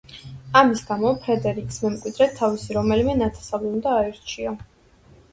ამის გამო, ფრედერიკს მემკვიდრედ თავისი რომელიმე ნათესავი უნდა აერჩია.